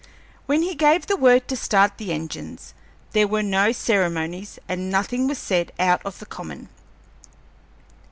When he gave the word to start the engines, there were no ceremonies, and nothing was said out of the common.